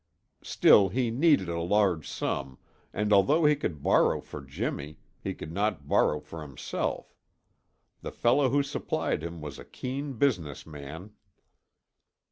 Still he needed a large sum, and although he could borrow for Jimmy, he could not borrow for himself; the fellow who supplied him was a keen business man.